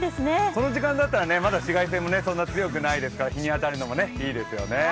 この時間だったらまだ紫外線も多くないですから日に当たるのもいいですよね。